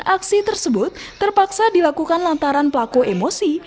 aksi tersebut terpaksa dilakukan lantaran pelaku emosi